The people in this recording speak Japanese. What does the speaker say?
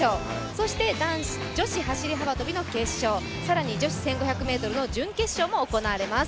そして女子走り幅跳びの決勝、更に女子１５００ｍの準決勝も行われます。